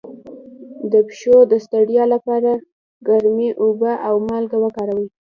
د پښو د ستړیا لپاره ګرمې اوبه او مالګه وکاروئ